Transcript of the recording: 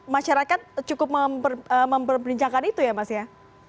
masyarakat cukup memperbincangkan itu ya mas ya